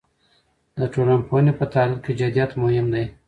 د ټولنپوهنې په تحلیل کې جدیت مهم دی.